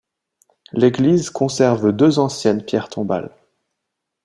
L'église conserve deux anciennes pierres tombales.